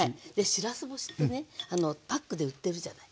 しらす干しってねパックで売ってるじゃない。